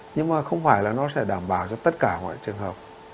nhưng mà không phải là nó sẽ đảm bảo cho tất cả mọi trường hợp